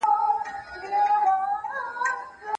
هیلې ته له لاندې څخه د خلکو شورماشور ورسېده.